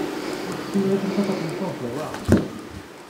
Tu ne regretteras pas ton temps ; tu vas voir.